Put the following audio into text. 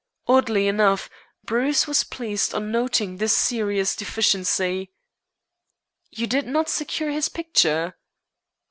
Oddly enough, Bruce was pleased on noting this serious deficiency. "You did not secure his picture?"